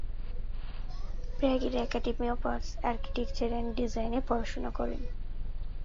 প্রাগের academy of arts, architecture and ডিজাইনে পড়াশোনা করেন।